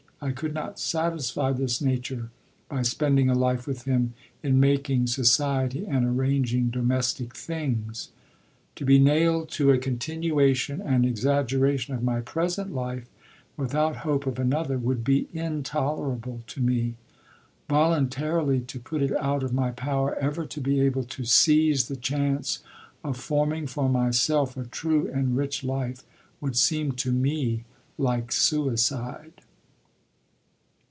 I could not satisfy this nature by spending a life with him in making society and arranging domestic things.... To be nailed to a continuation and exaggeration of my present life, without hope of another, would be intolerable to me. Voluntarily to put it out of my power ever to be able to seize the chance of forming for myself a true and rich life would seem to me like suicide."